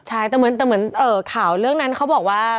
ใช่แต่เหมือนข่าวเรื่องนั้นเขาบอกว่า